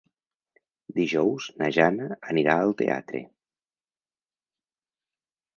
Dijous na Jana anirà al teatre.